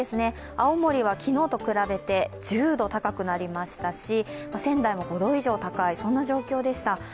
青森は昨日と比べて１０度高くなりましたし、仙台も５度以上高いという状況でした。